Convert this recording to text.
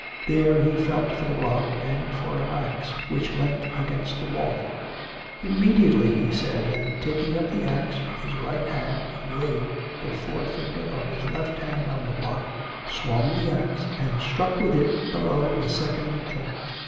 There he felt for the block and for an axe which leant against the wall. 'Immediately!' he said, and taking up the axe with his right hand he laid the forefinger of his left hand on the block, swung the axe, and struck with it below the second joint.